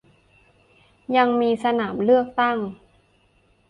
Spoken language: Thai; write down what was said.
ยังมีสนามเลือกตั้ง